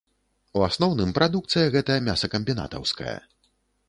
У асноўным, прадукцыя гэта мясакамбінатаўская.